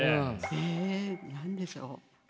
え何でしょう？